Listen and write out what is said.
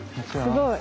すごい。